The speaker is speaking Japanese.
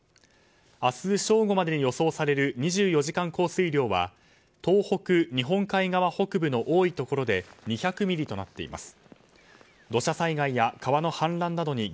明日正午までに予想される２４時間降水量は東北日本海側北部の多いところで２００ミリとなっています。